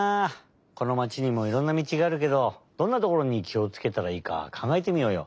このまちにもいろんな道があるけどどんなところにきをつけたらいいかかんがえてみようよ。